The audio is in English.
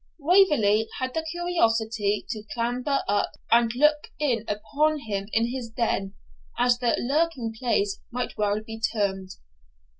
Waverley had the curiosity to clamber up and look in upon him in his den, as the lurking place might well be termed.